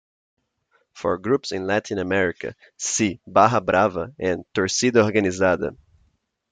For groups in Latin America, see barra brava and torcida organizada.